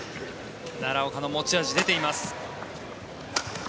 奈良岡の持ち味、出ています。